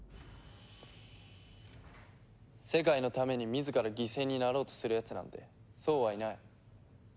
世界のために自ら犠牲になろうとするやつなんてそうはいない。